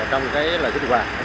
trong cái kinh hoàng